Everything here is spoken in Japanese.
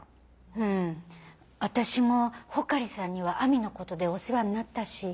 うん私も穂刈さんには亜美のことでお世話になったし。